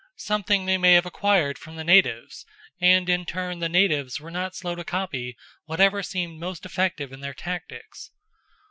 Something they may have acquired from the natives, and in turn the natives were not slow to copy whatever seemed most effective in their tactics.